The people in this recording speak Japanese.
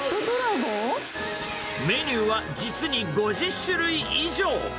メニューは、実に５０種類以上。